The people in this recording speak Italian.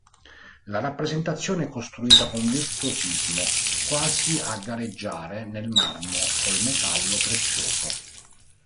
La rappresentazione è costruita con virtuosismo, quasi a gareggiare nel marmo col metallo prezioso.